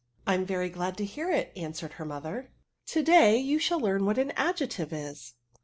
." I am very glad to hear it," answered her 'mother: ^' to day you shall learn what an mdjectioe is."